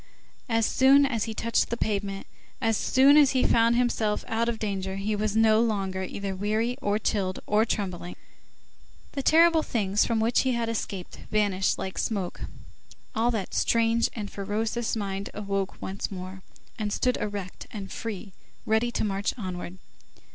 As soon as he touched the pavement, as soon as he found himself out of danger, he was no longer either weary, or chilled or trembling; the terrible things from which he had escaped vanished like smoke, all that strange and ferocious mind awoke once more, and stood erect and free, ready to march onward.